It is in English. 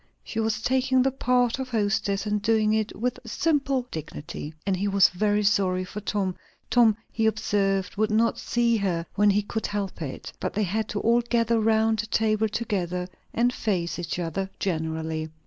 She was taking the part of hostess, and doing it with simple dignity; and he was very sorry for Tom. Tom, he observed, would not see her when he could help it. But they had to all gather round the table together and face each other generally.